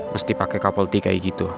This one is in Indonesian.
musti pake couple tee kayak gitu